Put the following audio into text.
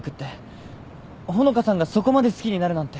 穂香さんがそこまで好きになるなんて。